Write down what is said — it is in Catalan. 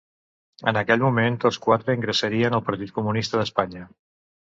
En aquell moment tots quatre ingressarien al Partit Comunista d'Espanya.